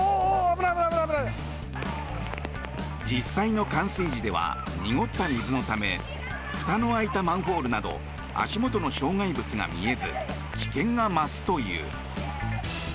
実際の冠水時では濁った水のためふたの開いたマンホールなど足元の障害物が見えず危険が増すという。